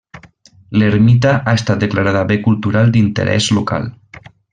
L'ermita ha estat declarada bé cultural d'interès local.